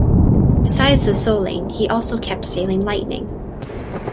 Besides the Soling he also kept sailing Lightning.